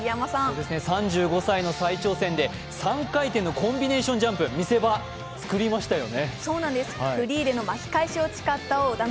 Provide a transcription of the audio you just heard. ３５歳の再挑戦で３回転のコンビネーションジャンプ見せ場つくりましたよね。